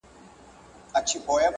چي قاضي ته چا درنه برخه ورکړله,